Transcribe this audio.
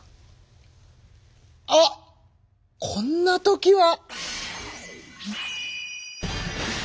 あっこんな時は！